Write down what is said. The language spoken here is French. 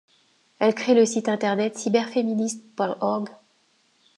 Elle crée le site internet Cyberféminismes.org.